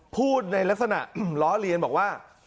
พูดในลักษณะล้อเลียนบอกว่า